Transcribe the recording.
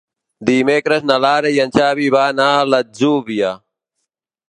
Dimecres na Lara i en Xavi van a l'Atzúbia.